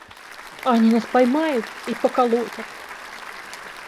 – Они нас поймают и поколотят.